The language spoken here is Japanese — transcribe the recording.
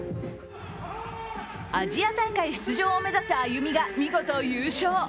アジア大会出場を目指すＡＹＵＭＩが見事優勝。